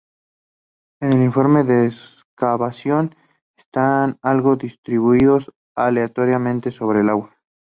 En el informe de excavación, están algo distribuidos aleatoriamente sobre el agua.